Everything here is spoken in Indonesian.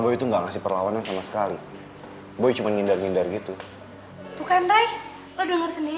buktin boy ian haika semuanya disakitin